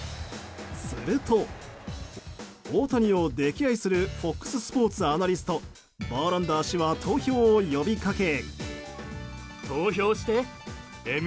すると、大谷を溺愛するＦＯＸスポーツアナリストバーランダー氏は投票を呼びかけ。